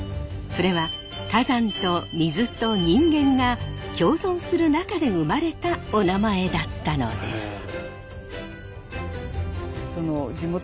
それは火山と水と人間が共存する中で生まれたおなまえだったのです。